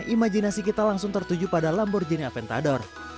imajinasi kita langsung tertuju pada lamborghini aventador